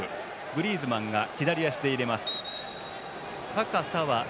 グリーズマンが左足で入れます。